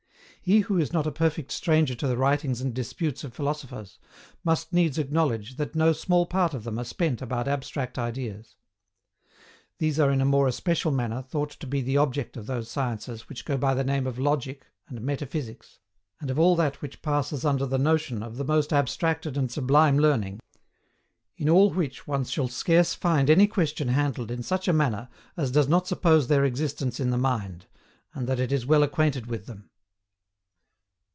He who is not a perfect stranger to the writings and disputes of philosophers must needs acknowledge that no small part of them are spent about abstract ideas. These are in a more especial manner thought to be the object of those sciences which go by the name of LOGIC and METAPHYSICS, and of all that which passes under the notion of the most abstracted and sublime learning, in all which one shall scarce find any question handled in such a manner as does not suppose their existence in the mind, and that it is well acquainted with them.